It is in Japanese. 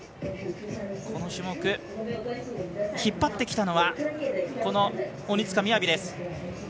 この種目引っ張ってきたのはこの鬼塚雅です。